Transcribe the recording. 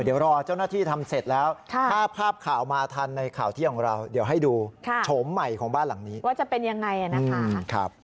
เดี๋ยวรอเจ้าหน้าที่ทำเสร็จแล้ว